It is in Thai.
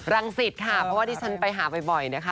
สิทธิ์ค่ะเพราะว่าที่ฉันไปหาบ่อยนะคะ